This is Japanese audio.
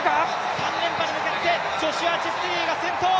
３連覇に向けてジョシュア・チェプテゲイが先頭。